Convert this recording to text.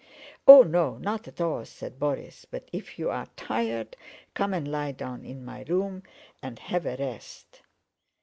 "Oh, no, not at all," said Borís. "But if you are tired, come and lie down in my room and have a rest."